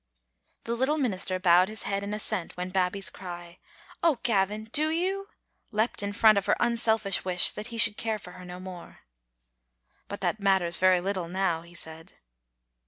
, The little minister bowed his head in assent when Babbie's cry, "Oh, Gavin, do you?" leapt in front of her unselfish wish that he should care for her no more. " But that matters very little now," he said.